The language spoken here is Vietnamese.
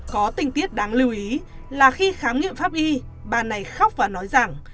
có tình tiết đáng lưu ý là khi khám nghiệm pháp y bà này khóc và nói rằng